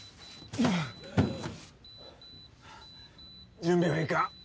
準備はいいか？